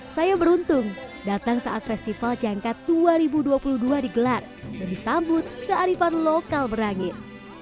saya beruntung datang saat festival jangkat dua ribu dua puluh dua digelar dan disambut kearifan lokal berangin